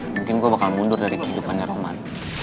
mungkin gue bakal mundur dari kehidupannya roman